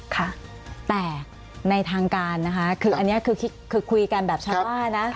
ค่ะแต่ในทางการนะคะคืออันนี้คือคุยกันแบบชาวบ้านนะ